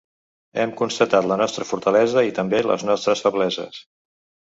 Hem constatat la nostra fortalesa i també les nostres febleses.